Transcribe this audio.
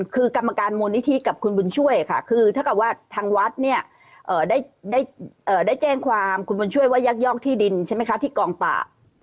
คือกรรมการมูลนิธิกับคุณบุญช่วยค่ะคือเท่ากับว่าทางวัดเนี่ยได้แจ้งความคุณบุญช่วยว่ายักยอกที่ดินใช่ไหมคะที่กองป่า